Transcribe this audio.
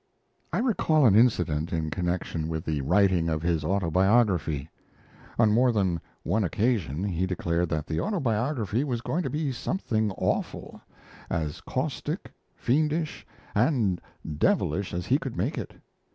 I recall an incident in connection with the writing of his Autobiography. On more than one occasion, he declared that the Autobiography was going to be something awful as caustic, fiendish, and devilish as he could make it.